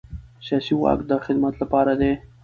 سیاسي واک د خدمت لپاره دی